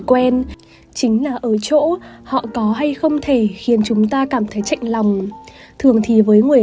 quen chính là ở chỗ họ có hay không thể khiến chúng ta cảm thấy chạy lòng thường thì với người